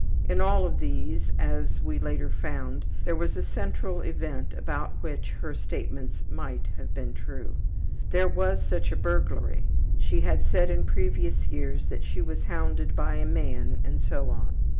In all of these, as we later found, there was a central event about which her statements MIGHT have been true. There was such a burglary; she had said in previous years that she was hounded by a man, and so on.